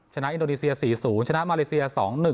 อินโดนีเซีย๔๐ชนะมาเลเซีย๒๑